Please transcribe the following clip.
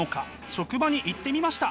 職場に行ってみました。